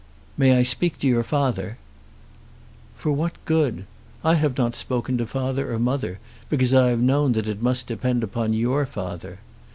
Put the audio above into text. "May I speak to your father?" "For what good? I have not spoken to father or mother because I have known that it must depend upon your father.